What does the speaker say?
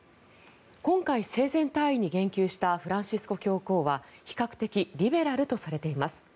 今回、生前退位に言及したフランシスコ教皇は比較的リベラルとされています。